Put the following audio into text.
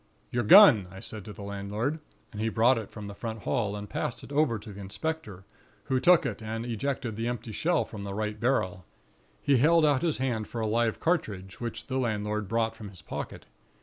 "'Your gun,' I said to the landlord, and he brought it from the front hall, and passed it over to the inspector, who took it and ejected the empty shell from the right barrel. He held out his hand for a live cartridge, which the landlord brought from his pocket.